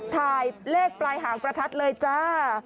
ถ่ายเลขปลายหางประทัดเลยจ้า